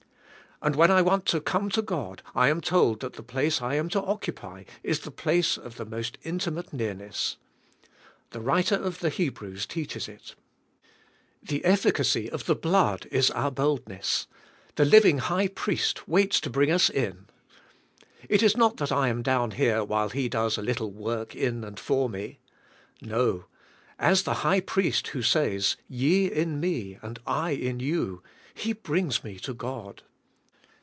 And when I want to come to God I am told that the place I am to occupy is the place of the most inti mate nearness. The writer of the Hebrews teaches it. The ef&cacy of the blood is our boldness; the living High Priest waits to bring us in. It is not that I am down here while He does a little work in and for me. No! As the High Priest who says, "Ye in Me, and I in you," He brings me to God.